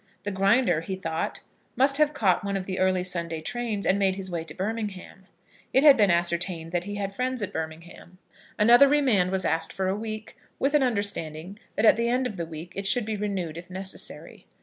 The Grinder, he thought, must have caught one of the early Sunday trains, and made his way to Birmingham. It had been ascertained that he had friends at Birmingham. Another remand was asked for a week, with an understanding that at the end of the week it should be renewed if necessary.